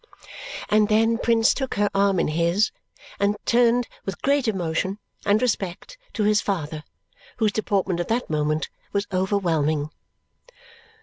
And then Prince took her arm in his and turned with great emotion and respect to his father, whose deportment at that moment was overwhelming.